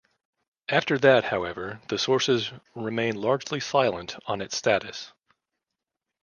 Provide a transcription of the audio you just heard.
After that, however, the sources remain largely silent on its status.